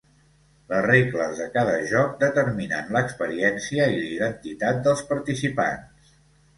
Les regles de cada joc determinen l'experiència i la identitat dels participants.